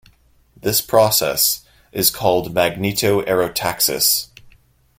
This process is called magneto-aerotaxis.